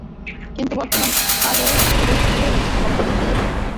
কিন্তু বর্তমান কালে এবং ক্ষুদ্র বঙ্গদেশে সেই অসম্ভব দুর্লভ পদার্থ জন্মিয়াছে কি না সন্দেহ।